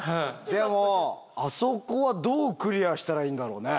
でもあそこはどうクリアしたらいいんだろうね。